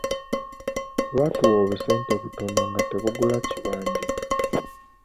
Baatuwa obusente butono nga tebugula kibanja.